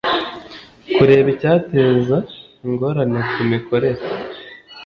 Kureba icyateza ingorane ku mikorere